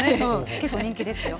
結構人気ですよ。